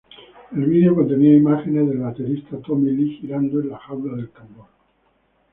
El video contenía imágenes del baterista Tommy Lee girando en la jaula del tambor.